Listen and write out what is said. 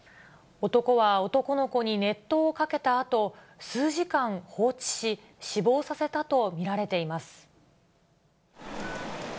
男は男の子に熱湯をかけたあと、数時間放置し、死亡させたと見られています。